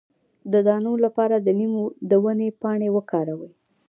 د دانو لپاره د نیم د ونې پاڼې وکاروئ